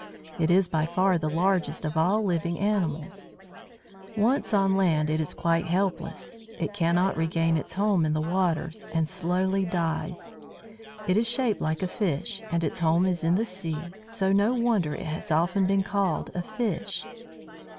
It is by far the largest of all living animals. Once on the land it is quite helpless; it cannot regain its home in the waters, and slowly dies. It is shaped like a fish, and its home is in the sea, so no wonder it has often been called a fish.